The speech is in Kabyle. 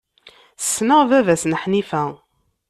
Ssneɣ baba-s n Ḥnifa.